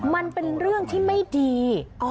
มันเป็นเรื่องที่ไม่ดี